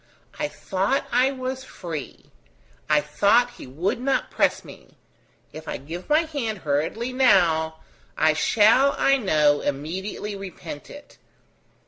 I thought I was free; I thought he would not press me. If I give my hand hurriedly now, I shall, I know, immediately repent it.